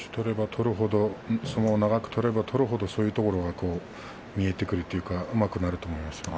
相撲は長く取れば取るほどそういうところが見えてくるというか、うまくなると思います。